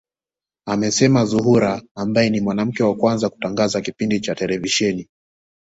Anasema Zuhura ambaye ni mwanamke wa kwanza kutangaza kipindi cha televisheni